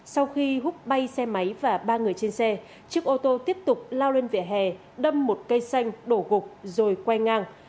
sau khi hút bay xe máy và ba người trên xe chiếc ô tô tiếp tục lao lên vỉa hè đâm một cây xanh đổ gục rồi quay ngang